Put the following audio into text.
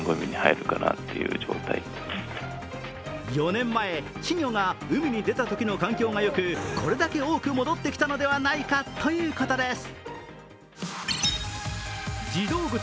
４年前、稚魚が海に出たときの環境がよくこれだけ多く戻ってきたのではないかということです。